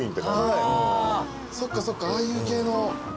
そっかそっかああいう系の。